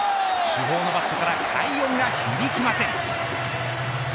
主砲のバットから快音が響きません。